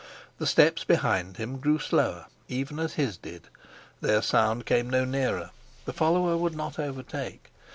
The steps behind him grew slower, even as his did; their sound came no nearer: the follower would not overtake.